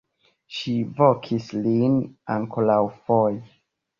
Ŝi vokis lin ankoraŭfoje.